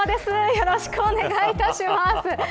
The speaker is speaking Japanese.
よろしくお願いします。